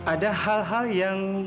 ada hal hal yang